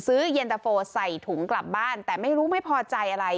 เย็นตะโฟใส่ถุงกลับบ้านแต่ไม่รู้ไม่พอใจอะไร